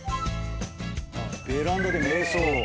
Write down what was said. ベランダで瞑想。